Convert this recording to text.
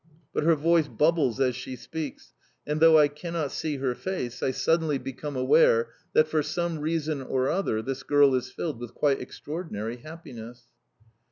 But her voice bubbles as she speaks, and, though I cannot see her face, I suddenly become aware that for some reason or other this girl is filled with quite extraordinary happiness.